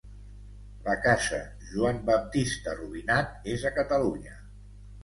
La Casa Joan Baptista Rubinat és a Catalunya.